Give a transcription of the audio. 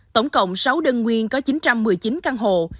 tổng cộng sáu đơn nguyên có chín trăm một mươi chín căn hộ